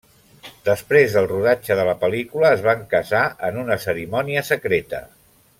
Després del rodatge de la pel·lícula es van casar en una cerimònia secreta.